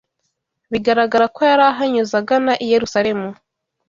bigaragara ko yari ahanyuze agana i Yerusalemu